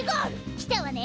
きたわね。